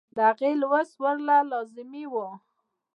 د هغې لوست ورله لازمي وۀ -